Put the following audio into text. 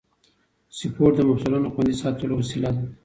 سپورت د مفصلونو خوندي ساتلو وسیله ده.